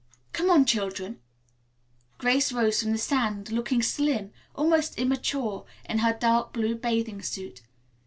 "Come on, children," Grace rose from the sand, looking slim, almost immature, in her dark blue bathing suit.